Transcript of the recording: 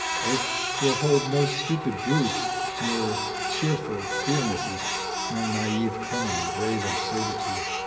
Earth will hold No stupid brutes, no cheerful queernesses. No naive cunning, grave absurdity.